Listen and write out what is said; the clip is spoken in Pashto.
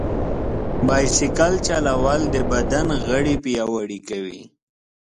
بایسکل چلول د بدن غړي پیاوړي کوي.